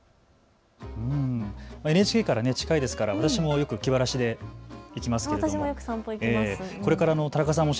ＮＨＫから近いですから私もよく気晴らしで行きますけれども。